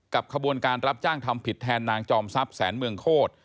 ขบวนการรับจ้างทำผิดแทนนางจอมทรัพย์แสนเมืองโคตร